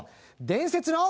伝説の。